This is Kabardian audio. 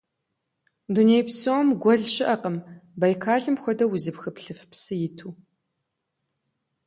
Дуней псом гуэл щыӀэкъым Байкалым хуэдэу узыпхыплъыф псы иту.